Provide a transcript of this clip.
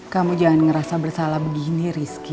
kamu jangan ngerasa bersalah begini rizky